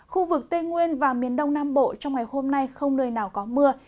khu vực tây nguyên và miền đông nam bộ trong ngày hôm nay không nơi nào có mưa